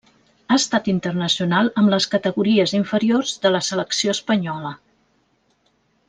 Ha estat internacional amb les categories inferiors de la selecció espanyola.